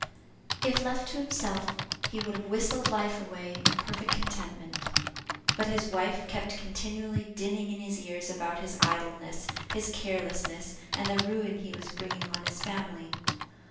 If left to himself, he would have whistled life away, in perfect contentment; but his wife kept continually dinning in his ears about his idleness, his carelessness, and the ruin he was bringing on his family.